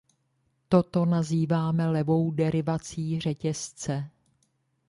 Toto nazýváme „levou derivací“ řetězce.